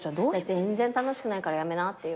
全然楽しくないからやめなって言う。